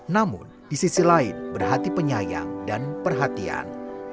namun di sisi lain berhati penyayang dan perhatian